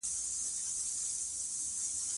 کريم له دې فيصلې څخه راضي نه شو.